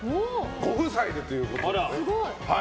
ご夫妻でということです。